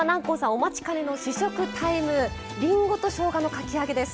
お待ちかねの試食タイムりんごとしょうがのかき揚げです。